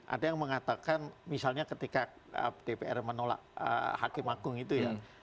ada yang mengatakan misalnya ketika dpr menolak hakim agung itu ya